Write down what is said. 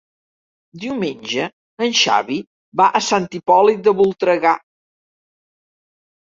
Diumenge en Xavi va a Sant Hipòlit de Voltregà.